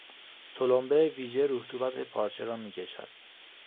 تلمبه ویژه رطوبت پارچه را میکشد.